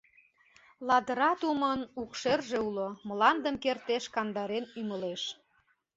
Ладыра тумын укшерже Уло мландым кертеш кандарен ӱмылеш.